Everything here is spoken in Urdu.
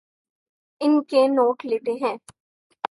ان کے نوٹ لیتے ہیں